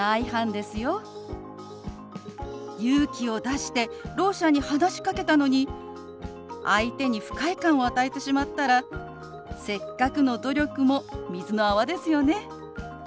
勇気を出してろう者に話しかけたのに相手に不快感を与えてしまったらせっかくの努力も水の泡ですよね。